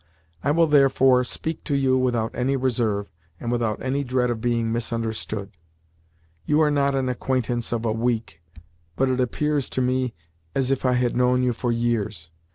I will, therefore, speak to you without any reserve, and without any dread of being misunderstood. You are not an acquaintance of a week, but it appears to me as if I had known you for years.